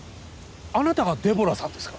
あなたがデボラさんですか？